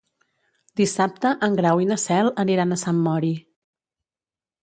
Dissabte en Grau i na Cel aniran a Sant Mori.